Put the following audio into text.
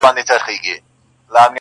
د جهنم منځ کي د اوسپني زنځیر ویده دی~